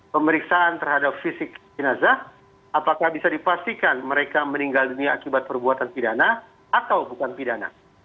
pemeriksaan terhadap fisik jenazah apakah bisa dipastikan mereka meninggal dunia akibat perbuatan pidana atau bukan pidana